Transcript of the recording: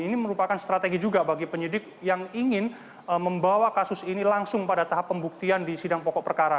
ini merupakan strategi juga bagi penyidik yang ingin membawa kasus ini langsung pada tahap pembuktian di sidang pokok perkara